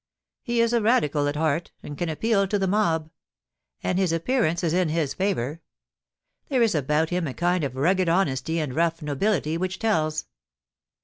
He is a Radical at heart, and can appeal to the mob. And his appearance is in his favour. There is about him a kind of rugged honesty and rough nobility which tells.